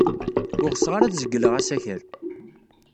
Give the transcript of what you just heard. Ur ɣseɣ ara ad zegleɣ asakal.